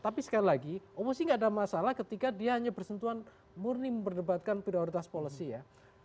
tapi sekali lagi oposisi tidak ada masalah ketika dia hanya bersentuhan murni memperdebatkan prioritas policy ya